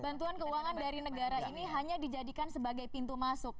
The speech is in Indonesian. bantuan keuangan dari negara ini hanya dijadikan sebagai pintu masuk